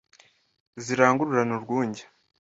zirangururane urwunge